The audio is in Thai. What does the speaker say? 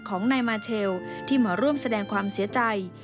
ของนายมาเชลที่มาร่วมแสดงความเสียใจ